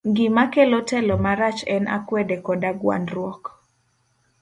Gima kelo telo marach en akwede koda gwandruok.